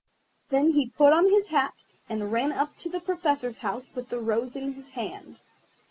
Then he put on his hat, and ran up to the Professor's house with the rose in his hand.